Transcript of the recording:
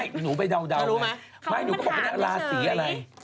คงมีอยู่แล้วแถวนี้บนติกคล่องมันอะไร